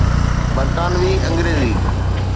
برطانوي انگريزي